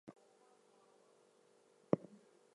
He held the title of Asantehene.